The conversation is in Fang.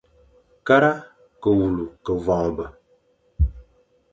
Kara ke wule ke voñbe.